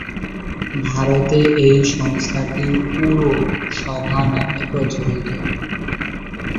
ভারতে এ সংস্থাটি "পুরসভা" নামে প্রচলিত।